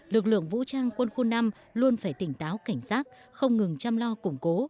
lực lượng vũ trang quân khu năm luôn phải tỉnh táo cảnh sát không ngừng chăm lo củng cố